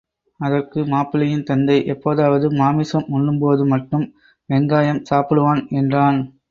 அதற்கு மாப்பிள்ளையின் தந்தை, எப்போதாவது மாமிசம் உண்ணும்போது மட்டும் வெங்காயம் சாப்பிடுவான் என்றான்.